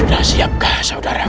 sudah siap kah saudaraku